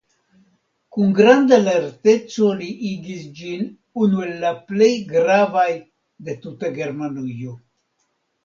Kun granda lerteco li igis ĝin unu el la plej gravaj de tuta Germanujo.